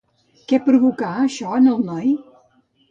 Què provocà això en el noi?